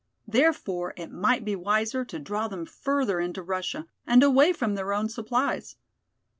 Therefore it might be wiser to draw them further into Russia and away from their own supplies.